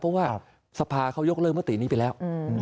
เพราะว่าสภาเขายกเลิกมตินี้ไปแล้ว